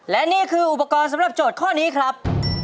และนี่คืออุปกรณ์สำหรับโจทย์ข้อนี้ครับ